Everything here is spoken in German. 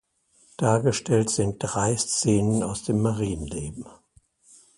Dargestellt sind drei Szenen aus dem Marienleben.